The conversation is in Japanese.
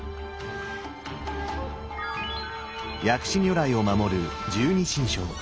薬師如来を守る十二神将。